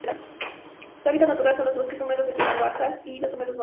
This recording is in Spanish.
Su hábitat natural son los bosques húmedos de tierras bajas y los bosques montanos.